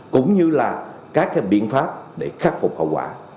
cũng như là các biện pháp để khắc phục hậu quả